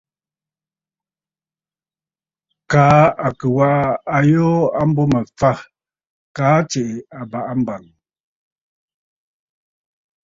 Kaa à kɨ̀ waʼa ayoo a mbo mə̀ fâ, kaa tsiʼì àbàʼa mbàŋ!